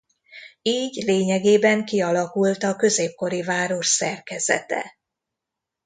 Így lényegében kialakult a középkori város szerkezete.